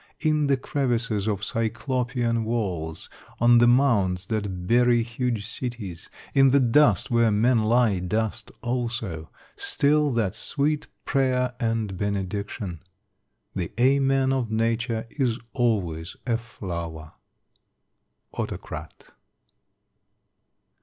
In the crevices of Cyclopean walls on the mounds that bury huge cities in the dust where men lie, dust also still that sweet prayer and benediction. The 'Amen!' of Nature is always a flower." _Autocrat.